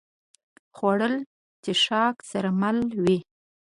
خوړل د څښاک سره مل وي